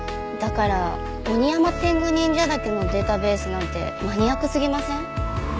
だからオニヤマテングニンジャ茸のデータベースなんてマニアックすぎません？